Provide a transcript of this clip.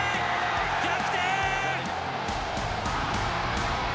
逆転！